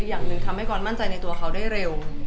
อย่างหนึ่งทำให้กรมั่นใจในตัวเขาได้เร็ว